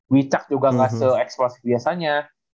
wicak juga gak se explosif biasanya